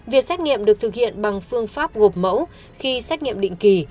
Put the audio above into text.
việc xét nghiệm được thực hiện bằng phương pháp gộp mẫu khi xét nghiệm định kỳ